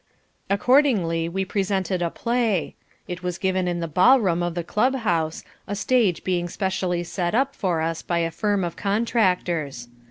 Accordingly we presented a play. It was given in the ball room of the club house, a stage being specially put up for us by a firm of contractors.